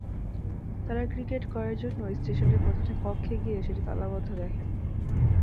তাঁরা টিকিট ক্রয়ের জন্য স্টেশনের প্রধান কক্ষে গিয়ে সেটি তালাবদ্ধ দেখেন।